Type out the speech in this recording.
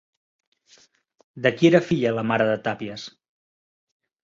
De qui era filla la mare de Tàpies?